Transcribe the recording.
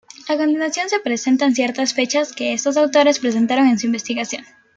A continuación se presentan ciertas fechas que estos autores presentaron en su investigación.